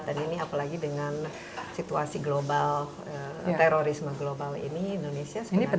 dan ini apalagi dengan situasi global terorisme global ini indonesia sebenarnya punya peran